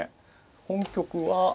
本局は。